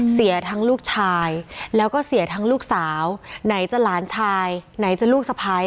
เสียทั้งลูกชายแล้วก็เสียทั้งลูกสาวไหนจะหลานชายไหนจะลูกสะพ้าย